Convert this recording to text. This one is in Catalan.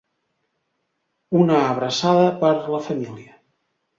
Una abraçada per la família.